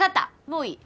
もういい！